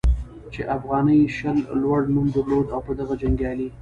چې افغاني شل لوړ نوم درلود او په دغه جنګیالي